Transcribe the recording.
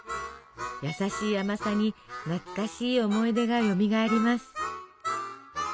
やさしい甘さに懐かしい思い出がよみがえります。